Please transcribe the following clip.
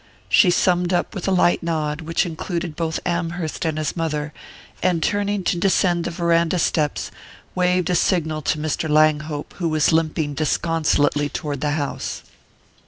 She summed up with a light nod, which included both Amherst and his mother, and turning to descend the verandah steps, waved a signal to Mr. Langhope, who was limping disconsolately toward the house.